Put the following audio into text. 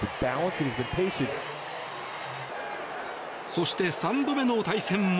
そして、３度目の対戦も。